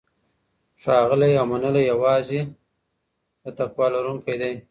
ښاغلی او منلی یوازې د تقوی لرونکی دی.